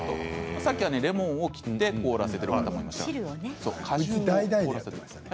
さっきはレモンを切って凍らせているというのがありましたね。